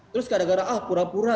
terus gara gara ah pura pura